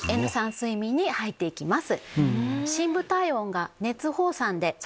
睡眠に入っていきます。